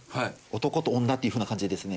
男と女というふうな感じでですね